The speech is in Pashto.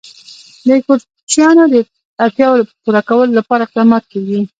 د کوچیانو د اړتیاوو پوره کولو لپاره اقدامات کېږي.